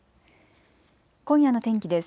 今夜の天気です。